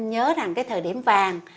nhớ rằng cái thời điểm vàng